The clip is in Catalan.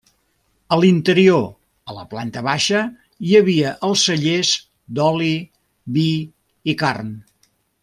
A l’interior, a la planta baixa hi havia els cellers d’oli, vi i carn.